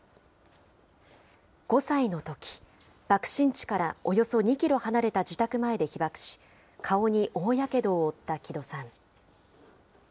５歳のとき、爆心地からおよそ２キロ離れた自宅前で被爆し、顔に大やけどを負った木戸さん。